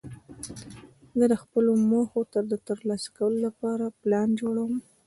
زه د خپلو موخو د ترلاسه کولو له پاره پلان جوړوم.